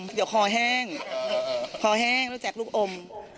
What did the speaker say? เดี๋ยวคอแห้งคอแห้งรู้จักลูกอม